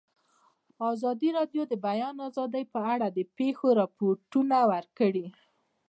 ازادي راډیو د د بیان آزادي په اړه د پېښو رپوټونه ورکړي.